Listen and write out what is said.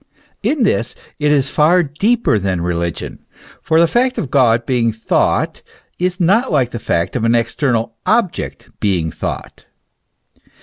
In this it is far deeper than religion, for the fact of God being thought is not like the fact of an external object being thought.